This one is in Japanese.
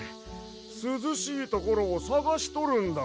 すずしいところをさがしとるんだわ。